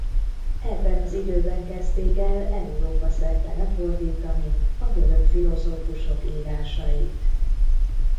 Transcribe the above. Ebben az időben kezdték el Európa-szerte lefordítani a görög filozófusok írásait.